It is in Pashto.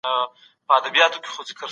دا تمرين دئ.